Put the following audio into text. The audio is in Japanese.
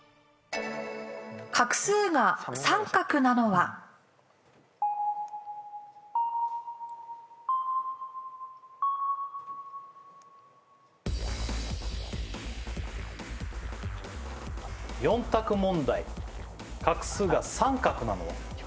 画数が４択問題画数が３画なのは？